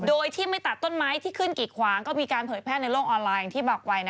โดยที่ไม่ตัดต้นไม้ที่ขึ้นกิดขวางก็มีการเผยแพร่ในโลกออนไลน์อย่างที่บอกไว้